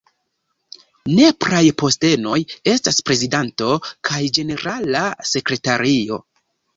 Nepraj postenoj estas prezidanto kaj ĝenerala sekretario.